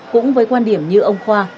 cũng với quan điểm như ông khoa